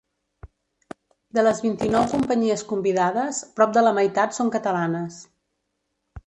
De les vint-i-nou companyies convidades, prop de la meitat són catalanes.